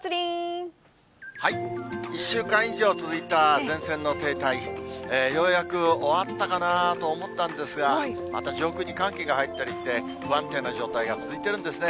１週間以上続いた前線の停滞、ようやく終わったかなと思ったんですが、また上空に寒気が入ったりして、不安定な状態が続いてるんですね。